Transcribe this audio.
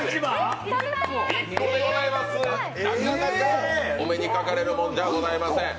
なかなかお目にかかれるもんじゃございません。